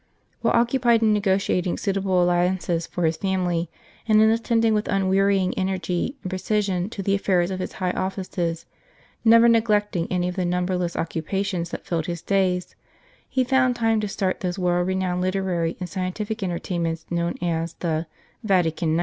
While occupied in negotiating suitable alliances for his family, and in attending with unwearying energy and precision to the affairs of his high offices, never neglecting any of the numberless occupations that filled his days, he found time to start those world renowned literary and scientific entertainments known as the " Vatican Nights."